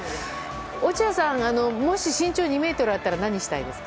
落合さん、もし身長２ｍあったら何をしたいですか？